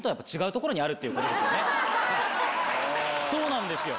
そうなんですよ。